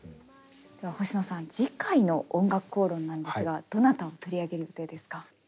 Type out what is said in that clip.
では星野さん次回の「おんがくこうろん」なんですがどなたを取り上げる予定ですか？